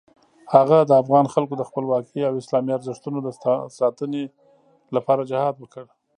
هغه د افغان خلکو د خپلواکۍ او اسلامي ارزښتونو د ساتنې لپاره جهاد وکړ.